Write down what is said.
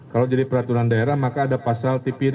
kalau jadi peraturan daerah maka ada pasal tipir